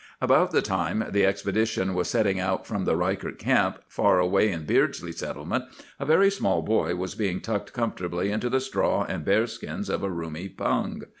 "About the time the expedition was setting out from the Ryckert Camp, far away in Beardsley Settlement a very small boy was being tucked comfortably into the straw and bearskins of a roomy pung.